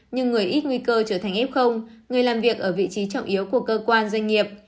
nhưng người ít nguy cơ trở thành f người làm việc ở vị trí trọng yếu của cơ quan doanh nghiệp